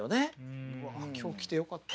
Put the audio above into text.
わあ今日来てよかった。